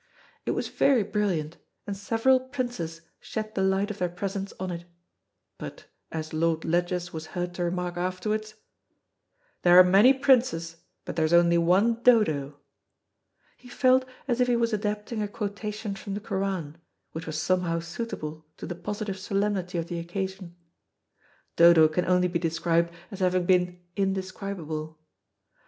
It was very brilliant, and several princes shed the light of their presence on it. But, as Lord Ledgers was heard to remark afterwards, "There are many princes, but there is only one Dodo." He felt as if he was adapting a quotation from the Koran, which was somehow suitable to the positive solemnity of the occasion. Dodo can only be described as having been indescribable.